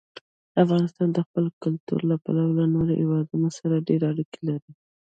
افغانستان د خپل کلتور له پلوه له نورو هېوادونو سره ډېرې اړیکې لري.